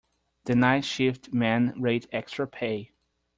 The night shift men rate extra pay.